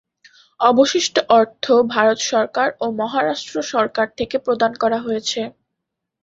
অবশিষ্ট অর্থ ভারত সরকার এবং মহারাষ্ট্র সরকার থেকে প্রদান কারা হয়েছে।